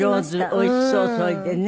おいしそうそれでね。